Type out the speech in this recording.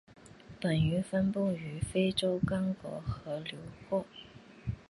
本鱼分布于非洲刚果河流域。